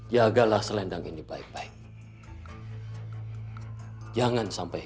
mulai saat ini mungkin kita akan berpisah